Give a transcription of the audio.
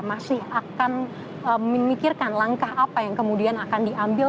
masih akan memikirkan langkah apa yang kemudian akan diambil